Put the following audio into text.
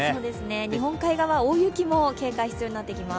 日本海側、大雪も警戒が必要になってきます。